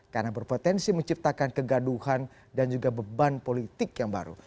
karena berpotensi menciptakan kegaduhan dan juga beban politik yang baru